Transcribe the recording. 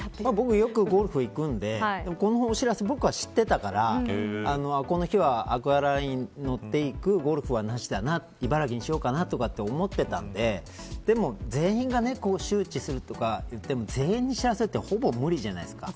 僕、よくゴルフ行くんでこのお知らせ僕は知っていたからこの日は、アクアラインにのっていくゴルフはなしだって茨城にしようかなと思ってたんででも全員が周知するとか言っても全員に知らせるのはほぼ、無理じゃないですか。